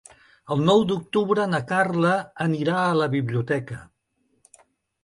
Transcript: El nou d'octubre na Carla anirà a la biblioteca.